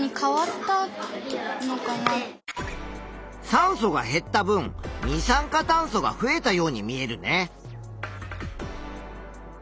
酸素が減った分二酸化炭素が増えたように見えるね。